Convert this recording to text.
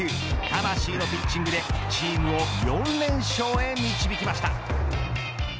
魂のピッチングでチームを４連勝へ導きました。